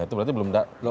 itu berarti belum ada